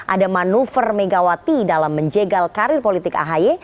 ada manuver megawati dalam menjegal karir politik ahy